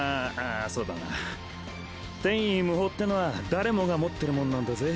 そうだな天衣無縫ってのは誰もが持ってるもんなんだぜ。